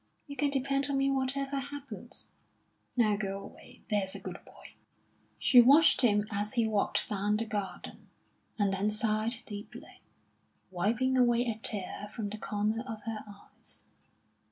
You can depend on me whatever happens.... Now go away, there's a good boy." She watched him as he walked down the garden, and then sighed deeply, wiping away a tear from the corner of her eyes.